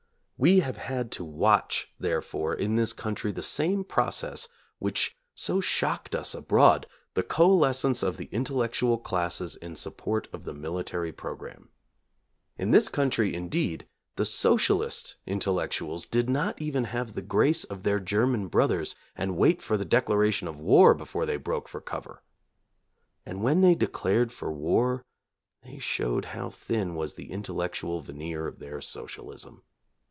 We have had to watch, therefore, in this coun try the same process which so shocked us abroad, — the coalescence of the intellectual classes in sup port of the military programme. In this country, indeed, the socialist intellectuals did not even have the grace of their German brothers and wait for the declaration of war before they broke for cover. And when they declared for war they showed how thin was the intellectual veneer of their socialism.